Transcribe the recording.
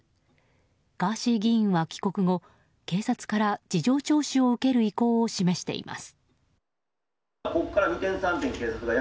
ガーシー議員は帰国後警察から事情聴取を受ける意向を示しています。